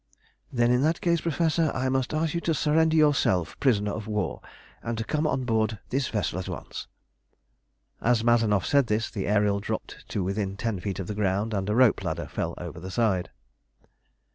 "Then in that case, Professor, I must ask you to surrender yourself prisoner of war, and to come on board this vessel at once." As Mazanoff said this the Ariel dropped to within ten feet of the ground, and a rope ladder fell over the side.